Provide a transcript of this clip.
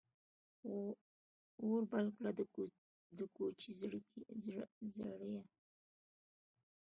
اور بل کړه ، د کوچي زریه !